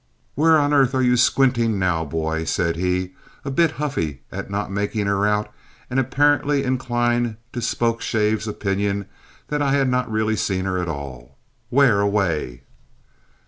"Where on earth are you squinting now, boy?" said he, a bit huffy at not making her out and apparently inclined to Spokeshave's opinion that I had not really seen her at all. "Where away?"